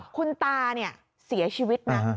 คุณตาเนี่ยเสียชีวิตนะ